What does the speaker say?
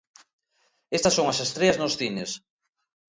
Estas son as estreas nos cines...